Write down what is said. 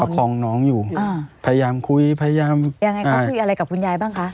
คองน้องอยู่อ่าพยายามคุยพยายามยังไงเขาคุยอะไรกับคุณยายบ้างคะ